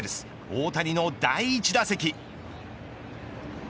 大谷の第１打席。